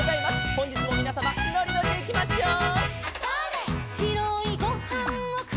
「ほんじつもみなさまのりのりでいきましょう」